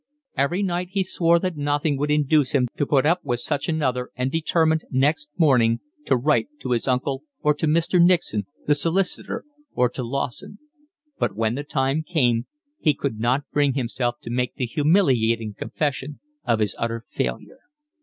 Every night he swore that nothing would induce him to put up with such another and determined next morning to write to his uncle, or to Mr. Nixon, the solicitor, or to Lawson; but when the time came he could not bring himself to make the humiliating confession of his utter failure.